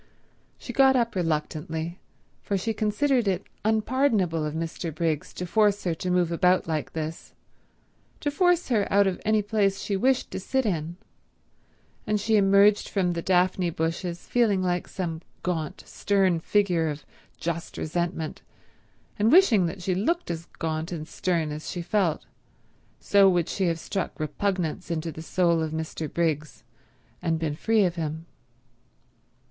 She got up reluctantly, for she considered it unpardonable of Mr. Briggs to force her to move about like this, to force her out of any place she wished to sit in; and she emerged from the daphne bushes feeling like some gaunt, stern figure of just resentment and wishing that she looked as gaunt and stern as she felt; so would she have struck repugnance into the soul of Mr. Briggs, and been free of him.